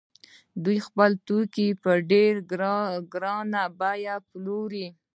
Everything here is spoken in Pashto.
دوی خپل توکي په ډېره ګرانه بیه پلوري